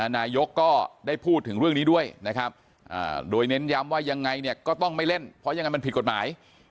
นายกก็ได้พูดถึงเรื่องนี้ด้วยนะครับโดยเน้นย้ำว่ายังไงเนี่ยก็ต้องไม่เล่นเพราะยังไงมันผิดกฎหมาย